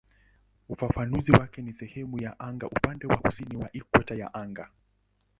Ufafanuzi wake ni "sehemu ya anga upande wa kusini wa ikweta ya anga".